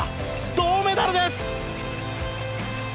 銅メダルです！